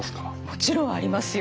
もちろんありますよ。